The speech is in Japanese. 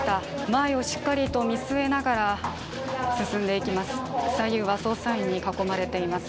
前をしっかりと見据えながら進んでいきます。